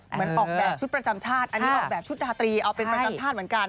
เหมือนออกแบบชุดประจำชาติอันนี้ออกแบบชุดดาตรีเอาเป็นประจำชาติเหมือนกัน